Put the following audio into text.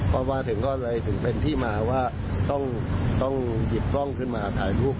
พอมาถึงก็เลยถึงเป็นที่มาว่าต้องหยิบกล้องขึ้นมาถ่ายรูป